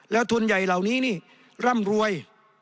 แล้วทุนใหญ่เหล่านี้นี่ร่ำรวย